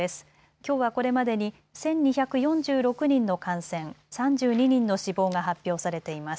きょうはこれまでに１２４６人の感染、３２人の死亡が発表されています。